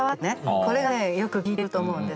これがよく効いていると思うんです。